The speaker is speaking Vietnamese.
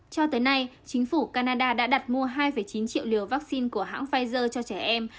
cho tới nay chính phủ canada đã đặt mua hai chín triệu liều vaccine của hãng pfizer cho trẻ em